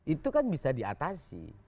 itu kan bisa diatasi